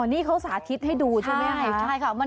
นี่เขาสาธิตให้ดูใช่ไหมใช่ค่ะ